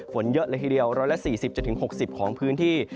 เยอะเลยทีเดียว๑๔๐๖๐ของพื้นที่